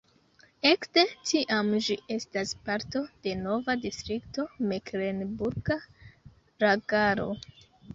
Ekde tiam ĝi estas parto de nova distrikto Meklenburga Lagaro.